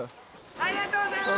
ありがとうございます？